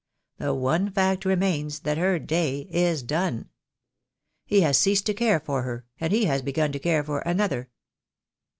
The one fact remains that her day is done. He has ceased to care for her, and he has begun to care for another.